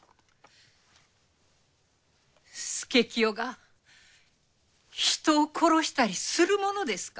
佐清が人を殺したりするものですか。